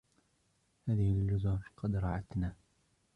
هذه الجزر قد رعتنا.